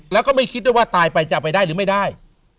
แล้วก็ไม่คิดด้วยว่าตายไปจะเอาไปได้หรือไม่ได้